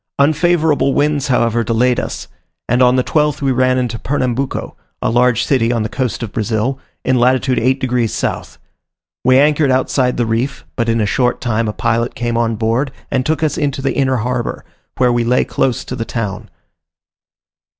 Unfavourable winds, however, delayed us, and on the 12th we ran into Pernambuco, a large city on the coast of Brazil, in latitude 8 degs. south. We anchored outside the reef; but in a short time a pilot came on board and took us into the inner harbour, where we lay close to the town.